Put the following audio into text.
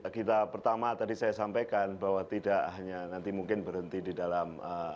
jadi kita pertama tadi saya sampaikan bahwa tidak hanya nanti mungkin berhenti di dalam